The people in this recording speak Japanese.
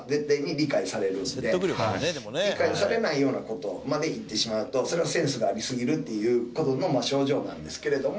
理解されないような事までいってしまうとそれはセンスがありすぎるっていう事の症状なんですけれども。